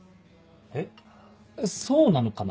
えっそうなのかな？